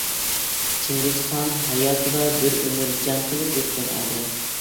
چىڭگىزخان ھاياتىدا بىر ئۆمۈر جەڭ قىلىپ ئۆتكەن ئادەم.